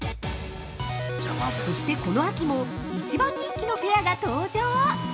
そして、この秋も一番人気のフェアが登場。